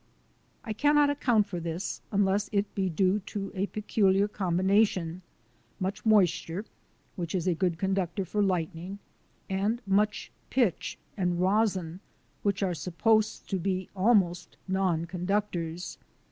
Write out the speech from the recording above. I cannot account for this, unless it be due to a peculiar combination —■ much moisture, which is a good conductor for lightning, and much pitch and rosin, which are supposed to be almost non conductors.